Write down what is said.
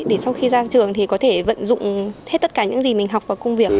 để sau khi ra trường thì có thể vận dụng hết tất cả những gì mình học vào công việc